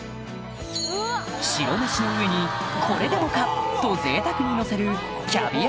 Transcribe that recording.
白飯の上にこれでもかと贅沢にのせる